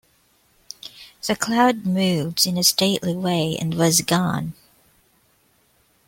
The cloud moved in a stately way and was gone.